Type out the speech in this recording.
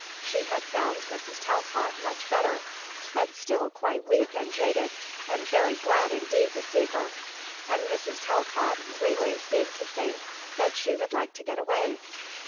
She had found Mrs. Talcott much better, but still quite weak and jaded, and very glad indeed to see her. And Mrs. Talcott really seemed to think that she would like to get away.